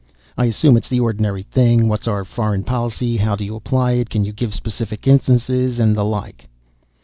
I assume it's the ordinary thing what's our foreign policy, how do you apply it, can you give specific instances, and the like."